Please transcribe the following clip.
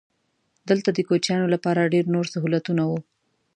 دلته د کوچیانو لپاره ډېر نور سهولتونه وو.